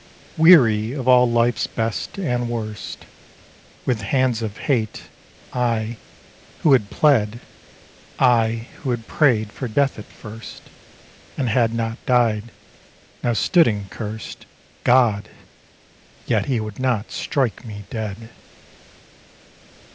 Weary of all life's best and worst, With hands of hate, I who had pled, I, who had prayed for death at first And had not died now stood and cursed GOD, yet he would not strike me dead.